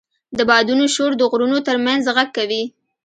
د بادونو شور د غرونو تر منځ غږ کوي.